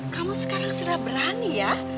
kamu sekarang sudah berani ya